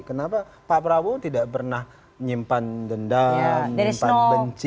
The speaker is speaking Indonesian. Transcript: kenapa pak prabowo tidak pernah nyimpan dendam nyimpan benci